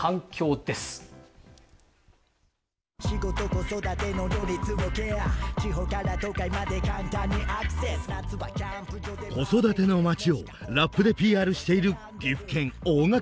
「子育ての街」をラップでＰＲしている岐阜県大垣市。